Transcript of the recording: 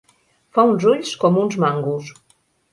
Fa uns ulls com uns mangos.